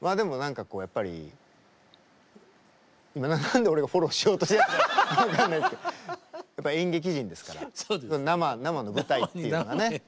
まあでも何かこうやっぱり今何で俺がフォローしようとしてるのか分かんないですけどやっぱ演劇人ですから生の舞台っていうのがね